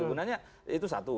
sebenarnya itu satu